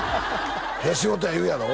仕事や言うやろ？